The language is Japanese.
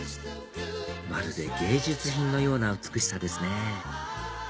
まるで芸術品のような美しさですね